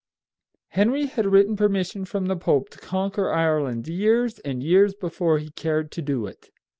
Henry had written permission from the Pope to conquer Ireland years and years before he cared to do it.